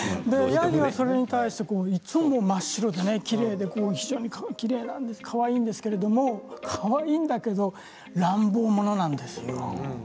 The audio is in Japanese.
それに対してヤギはいつも真っ白できれいでかわいいんですけれどかわいいんだけど乱暴ものなんですよ。